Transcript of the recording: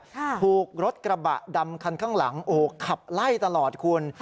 ถูกรถกระบะดำคันข้างหลังโอ้โหขับไล่ตลอดคุณ